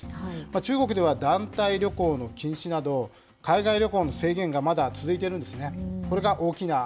中国では団体旅行の禁止など、海外旅行の制限がまだ続いているんですね。